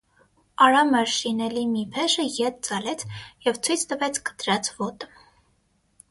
Արամր շինելի մի փեշը ետ ծալեց և ցույց տվեց կտրած ոտը: